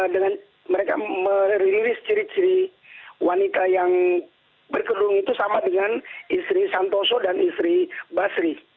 dengan mereka merilis ciri ciri wanita yang berkedung itu sama dengan istri santoso dan istri basri